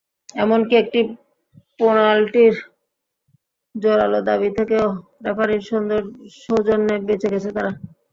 এমনকি একটি পেনাল্টির জোরাল দাবি থেকেও রেফারির সৌজন্যে বেঁচে গেছে তারা।